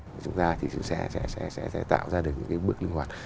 thì chúng ta sẽ tạo ra được những bước linh hoạt